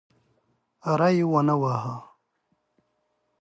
ری ونه واهه.